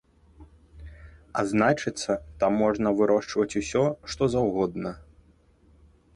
А значыцца, там можна вырошчваць усё што заўгодна.